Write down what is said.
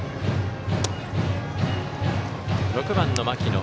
６番の牧野。